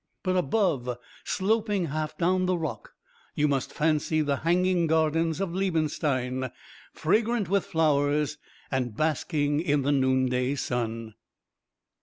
But above, sloping half down the rock, you must fancy the hanging gardens of Liebenstein, fragrant with flowers, and basking in the noonday sun.